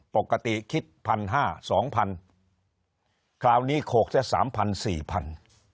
ปกติคิดพันห้าสองพันคราวนี้โขกแค่สามพันสี่พัน